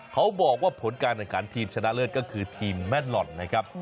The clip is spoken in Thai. เขาบอกว่าผลการในการทีมชนะเลือดก็คือทีมแม่หล่อนนะครับ